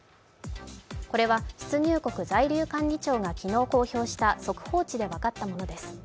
これは出入国在留管理庁が昨日公表した速報値で分かったものです。